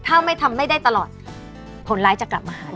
ถ้าไม่ทำไม่ได้ตลอดผลร้ายจะกลับมาหาย